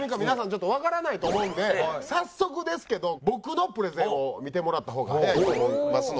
ちょっとわからないと思うんで早速ですけど僕のプレゼンを見てもらった方が早いと思いますので。